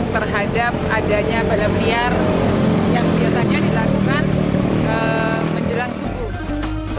setiap adanya balap liar yang biasanya dilakukan menjelang subuh